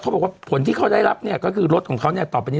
บอกว่าผลที่เขาได้รับเนี่ยก็คือรถของเขาเนี่ยต่อไปนี้